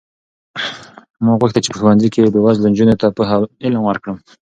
ما غوښتل چې په ښوونځي کې بې وزله نجونو ته پوهه او علم ورکړم.